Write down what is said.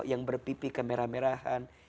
yang berpipi kemerahan merahan